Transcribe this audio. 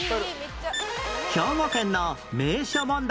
兵庫県の名所問題